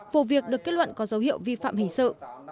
vụ việc được kết luận có dấu hiệu vi phạm hình sự